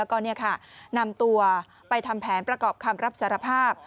แล้วก็นำตัวไปทำแผนประกอบคำรับสารภาพ